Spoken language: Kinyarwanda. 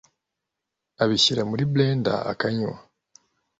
abishyira muri blender akanywa